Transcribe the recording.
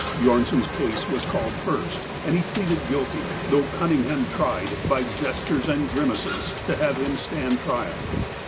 Bjornson' s case was called first, and he pleaded guilty, though Cunningham tried, by gestures and grimaces, to have him stand trial.